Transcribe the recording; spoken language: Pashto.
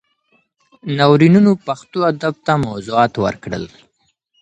ناورینونو پښتو ادب ته موضوعات ورکړل.